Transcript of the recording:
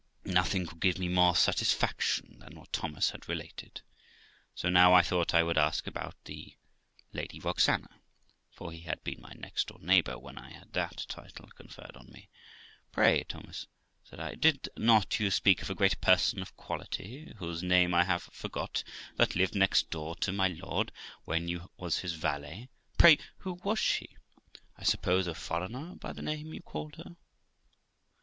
Nothing could give me more satisfaction than what Thomas had related ; so now, I thought I would ask about the Lady Roxana (for he had been my nextdoor neighbour when I had that title conferred on me). 'Pray, Thomas', said I, 'did not you speak of a great person of quality, whose name I have forgot, that lived next door to my Lord 's, when you was his valet? pray who was she? I suppose a foreigner, by the name you called her.'